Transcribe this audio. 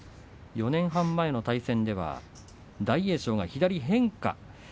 ４年半前の対戦では大栄翔が左へ変化。